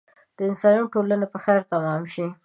د انساني ټولنې په خیر تمام شي.